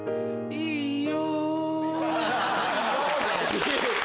「いいよ」。